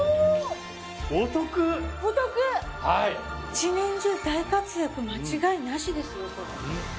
一年中大活躍間違いなしですよこれ。